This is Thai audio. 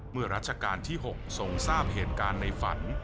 เมื่อราชกาลที่๖ทรงทราบเหตุการณ์ในฝัน